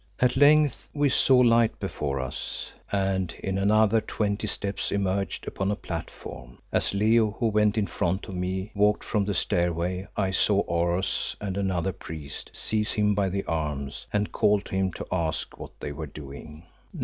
At length we saw light before us, and in another twenty steps emerged upon a platform. As Leo, who went in front of me, walked from the stairway I saw Oros and another priest seize him by the arms, and called to him to ask what they were doing.